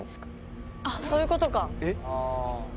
あっそういうことか。